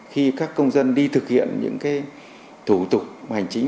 khi các công dân đi thực hiện những thủ tục hành chính